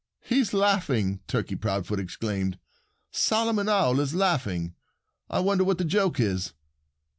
"He's laughing!" Turkey Proudfoot exclaimed. "Solomon Owl is laughing. I wonder what the joke is."